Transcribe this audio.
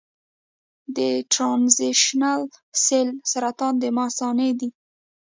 د ټرانزیشنل سیل سرطان د مثانې دی.